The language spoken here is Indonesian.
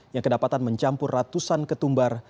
yang kedapatan mencampur ratusan ketumbar